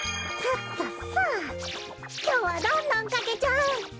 きょうはどんどんかけちゃう。